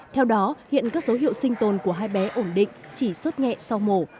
theo đó hiện các dấu hiệu sinh tồn của hai bé ổn định chỉ suốt nhẹ sau mổ